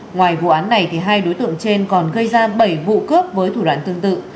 ngoài vụ án này hai đối tượng trên còn gây ra bảy vụ cướp với thủ đoạn tương tự